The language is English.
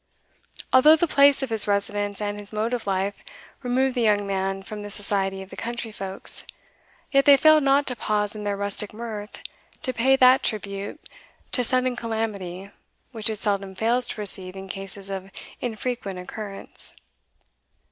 Although the place of his residence and his mode of life removed the young man from the society of the country folks, yet they failed not to pause in their rustic mirth to pay that tribute to sudden calamity which it seldom fails to receive in cases of infrequent occurrence.